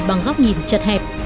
bằng góc nhìn chật hẹp